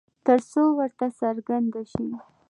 ترڅو ورته څرگنده شي